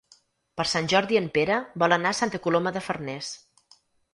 Per Sant Jordi en Pere vol anar a Santa Coloma de Farners.